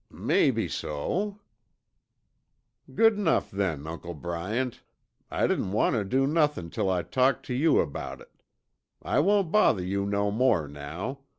"Maybe so." "Good enough then, Uncle Bryant. I didn't want tuh do nothin' till I'd talked tuh you about it. I won't bother you no more now.